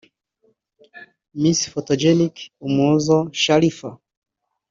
Miss Photogenic Umuhoza Sharifa